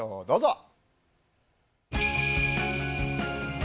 どうぞ。